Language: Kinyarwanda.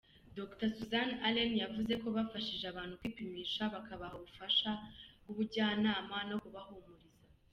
Dr Susan Allen yavuze ko bafashije abantu kwipimisha, bakabaha ubufasha bw’ubujyanama no kubahumuriza.